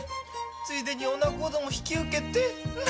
「ついでにお仲人さんも引き受けて！」